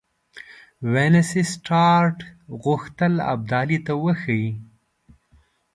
وینسیټارټ غوښتل ابدالي ته وښيي.